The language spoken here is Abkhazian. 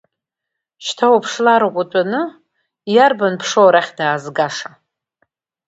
Шьҭа уԥшлароуп утәаны, иарбан ԥшоу арахь даазгаша!